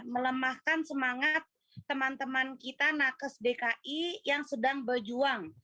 melemahkan semangat teman teman kita nakes dki yang sedang berjuang